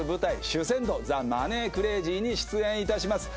「守銭奴ザ・マネー・クレイジー」に出演いたします